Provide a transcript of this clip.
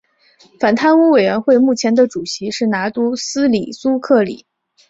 反贪污委员会目前的主席是拿督斯里苏克里。